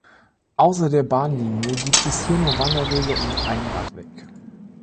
Außer der Bahnlinie gibt es hier nur Wanderwege und einen Radweg.